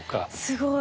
すごい。